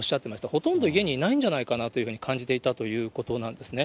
ほとんど家にいないんじゃないかなというふうに感じていたということなんですね。